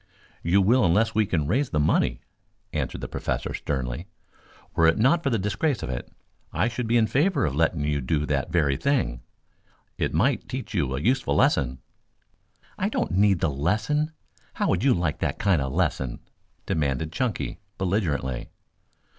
"You will unless we can raise the money," answered the Professor sternly. "Were it not for the disgrace of it, I should be in favor of letting you do that very thing. It might teach you a useful lesson." "I don't need the lesson. How would you like that kind of a lesson?" demanded Chunky belligerently.